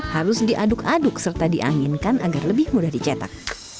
harus diaduk aduk serta dianginkan agar lebih mudah dicetak